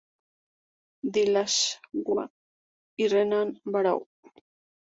Dillashaw y Renan Barão.